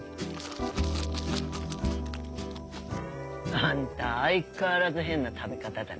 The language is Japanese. あんた相変わらず変な食べ方だね。